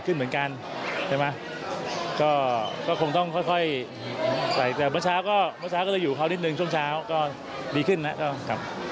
แต่เมื่อเช้าก็จะอยู่คราวนิดหนึ่งช่วงเช้าก็ดีขึ้นนะครับ